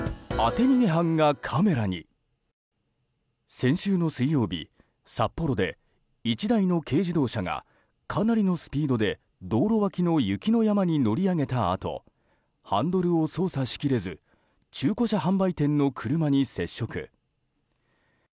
先週の水曜日札幌で１台の軽自動車がかなりのスピードで道路脇の雪の山に乗り上げたあとハンドルを操作しきれず中古車販売店の車に接触。